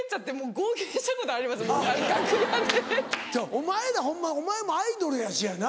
お前らホンマお前もアイドルやしやな。